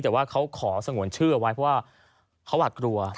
แต่ว่าเขาขอสงวนชื่อเอาไว้เพราะว่าเขาหวัดกลัว